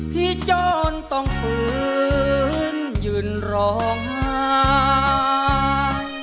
พี่จรต้องฝืนยืนร้องไห้